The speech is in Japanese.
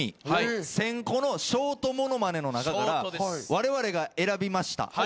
１，０００個のショートものまねの中からわれわれが選びました。